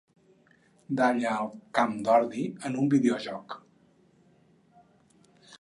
Dalla el camp d'ordi en un videojoc.